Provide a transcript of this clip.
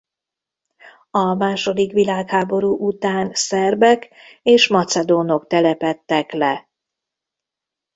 A második világháború után szerbek és macedónok telepedtek le.